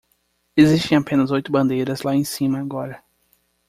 Existem apenas oito bandeiras lá em cima agora.